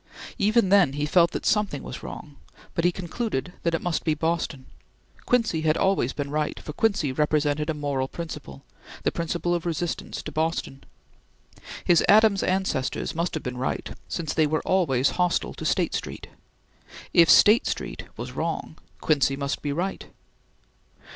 Even then he felt that something was wrong, but he concluded that it must be Boston. Quincy had always been right, for Quincy represented a moral principle the principle of resistance to Boston. His Adams ancestors must have been right, since they were always hostile to State Street. If State Street was wrong, Quincy must be right!